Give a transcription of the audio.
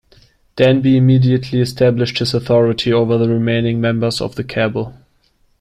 Danby immediately established his authority over the remaining members of the Cabal.